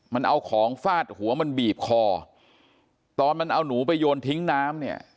มันเอาของฟาดหัวมันบีบคอตอนมันเอาหนูไปโยนทิ้งน้ำเนี่ย